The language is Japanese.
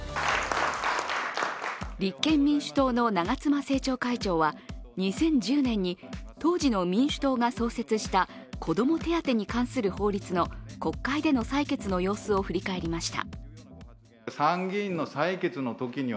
立憲民主党の長妻政調会長は２０１０年に当時の民主党が創設した子ども手当に関する法律の国会での採決の様子を振り返りました。